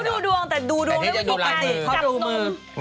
เขาดูดวงแต่ดูดวงไม่เป็นทุกปัญหา